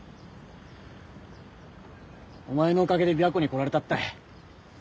お前のおかげで琵琶湖に来られたったい。